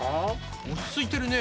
落ち着いてるね。